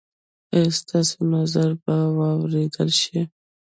ایا ستاسو نظر به واوریدل شي؟